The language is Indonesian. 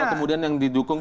kalau kemudian yang didukung